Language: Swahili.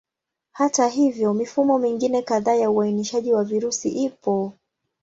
Hata hivyo, mifumo mingine kadhaa ya uainishaji wa virusi ipo.